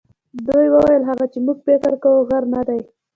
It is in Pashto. دوی ویل هغه چې موږ فکر کاوه غر نه دی.